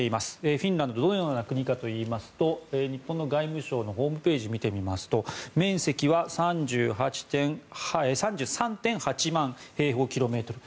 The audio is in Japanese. フィンランドとはどのような国かといいますと日本の外務省のホームページを見てみますと面積は３３．８万平方キロメートル。